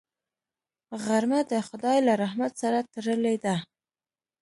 غرمه د خدای له رحمت سره تړلې ده